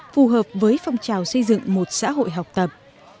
phù hợp với phong trào xây dựng một xã hội học tập